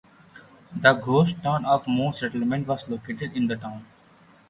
The ghost town of Moe Settlement was located in the town.